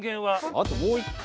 あともう１個。